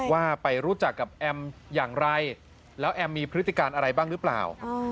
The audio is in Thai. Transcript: ว่าไปรู้จักกับแอมอย่างไรแล้วแอมมีพฤติการอะไรบ้างหรือเปล่า